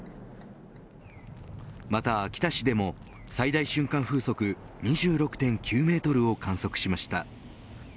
また秋田市でも最大瞬間風速２６．９メートルを観測しました。